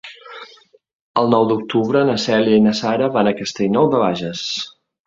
El nou d'octubre na Cèlia i na Sara van a Castellnou de Bages.